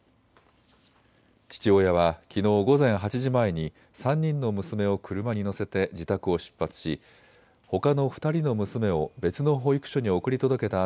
父親はきのう午前８時前に３人の娘を車に乗せて自宅を出発しほかの２人の娘を別の保育所に送り届けた